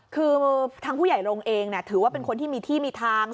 คือทางผู้ใหญ่โรงเองถือว่าเป็นคนที่มีที่มีทาง